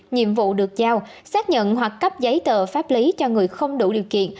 nhiệm vụ được giao xác nhận hoặc cấp giấy tờ pháp lý cho người không đủ điều kiện